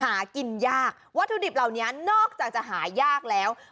หากินยากวัตถุดิบเหล่านี้นอกจากจะหายากแล้ว